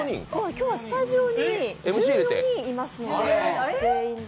今日はスタジオに１４人いますので、全員で。